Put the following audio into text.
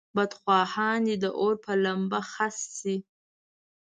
بدخواهان دې د اور په لمبه خس شي.